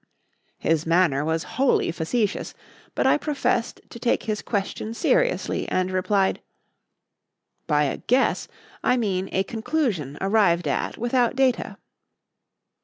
His manner was wholly facetious, but I professed to take his question seriously, and replied "By a guess, I mean a conclusion arrived at without data."